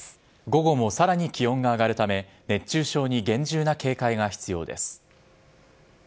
午後もさらに気温が上がるため、熱中症に厳重な警戒が必要です。